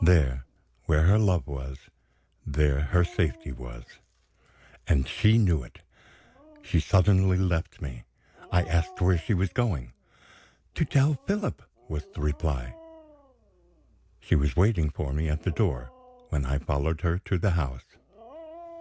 There, where her love was there her safety was. And she knew it! She suddenly left me. I asked where she was going. "To tell Philip," was the reply. She was waiting for me at the door, when I followed her to the house.